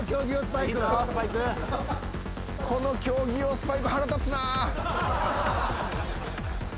この競技用スパイク腹立つなぁ。